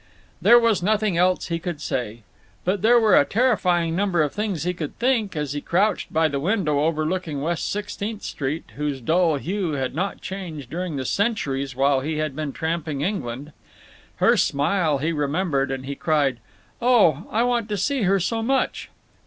There was nothing else he could say. But there were a terrifying number of things he could think as he crouched by the window overlooking West Sixteenth Street, whose dull hue had not changed during the centuries while he had been tramping England. Her smile he remembered—and he cried, "Oh, I want to see her so much."